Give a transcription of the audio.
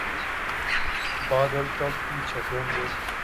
بادل تب ہی چھٹیں گے۔